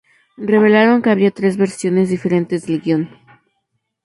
Revelaron que había tres versiones diferentes del guion.